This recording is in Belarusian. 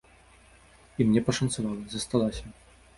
І мне пашанцавала, засталася.